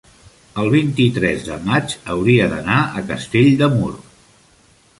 el vint-i-tres de maig hauria d'anar a Castell de Mur.